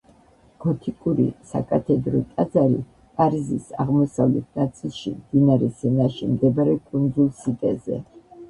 გოტიკური საკათედრო ტაძარი პარიზის აღმოსავლეთ ნაწილში, მდინარე სენაში მდებარე კუნძულ სიტეზე.